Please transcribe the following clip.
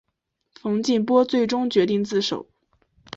冯静波最终决定自首。